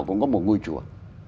nào cũng có một ngôi chùa